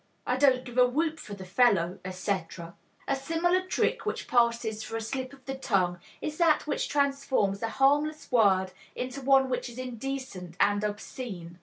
I don't give a whoop for the fellow etc." A similar trick which passes for a slip of the tongue is that which transforms a harmless word into one which is indecent and obscene.